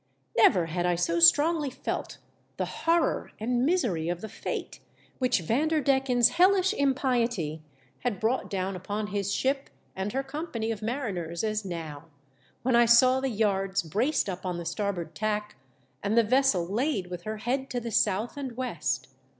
Never had I so strongly felt the horror and misery of the fate which Vanderdecken's hellish impiety had brought down upon his ship and her company of mariners as now, when I saw the yards braced up on the star board tack, and the vessel laid with her head to the south and west.